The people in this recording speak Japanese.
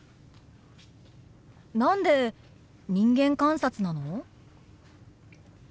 何で人間観察なの？